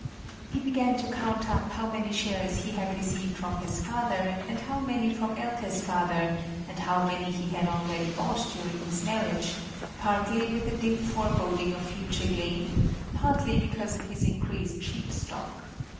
He began to count up how many shares he had received from his father and how many from Elke's father, and how many he had already bought during his marriage, partly with a dim foreboding of future gain, partly because of his increased sheep stock.